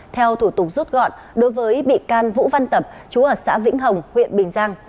theo thủ tục rút gọn đối với bị can vũ văn tập chú ở xã vĩnh hồng huyện bình giang